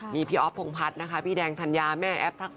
มีพี่ออฟโพงพัดพี่แดงธัญญาแม่แอบทักษอ